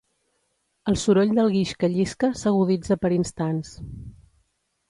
El soroll del guix que llisca s'aguditza per instants.